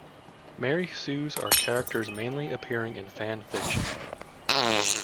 Mary Sues are characters mainly appearing in fan fiction.